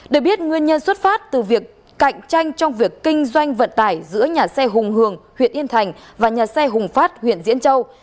để biết nguyên nhân xuất phát từ việc cạnh tranh trong việc kinh doanh vận tải giữa nhà xe hùng hường huyện yên thành và nhà xe hùng phát huyện diễn châu